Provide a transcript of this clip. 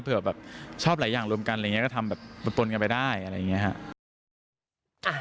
เผื่อแบบชอบหลายอย่างรวมกันอะไรอย่างนี้ก็ทำแบบปนกันไปได้อะไรอย่างนี้ครับ